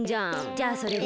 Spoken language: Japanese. じゃあそれで。